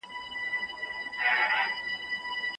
په دې کې د مینې او زیار خوند دی.